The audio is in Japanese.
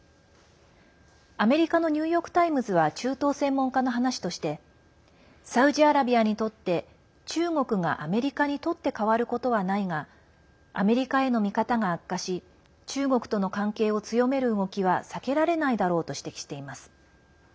アメリカのニューヨーク・タイムズは中東専門家の話としてサウジアラビアにとって中国がアメリカに取って代わることはないがアメリカへの見方が悪化し中国との関係を強める動きは避けられないだろうと指摘しています。